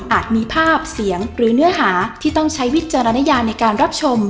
มีภาพเสียงหรือเนื้อหาที่ต้องใช้วิจารณญาในการรับชม